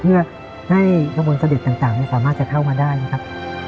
เพื่อให้กระบวนเสด็จต่างสามารถจะเข้ามาได้นะครับ